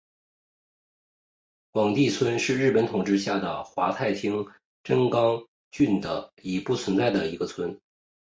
广地村是日本统治下的桦太厅真冈郡的已不存在的一村。